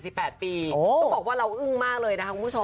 ต้องบอกว่าเราอึ้งมากเลยนะคะคุณผู้ชม